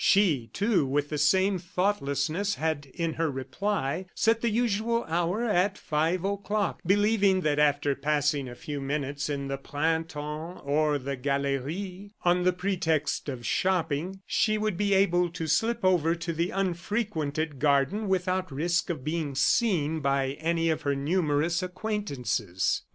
She, too, with the same thoughtlessness, had in her reply, set the usual hour of five o'clock, believing that after passing a few minutes in the Printemps or the Galeries on the pretext of shopping, she would be able to slip over to the unfrequented garden without risk of being seen by any of her numerous acquaintances.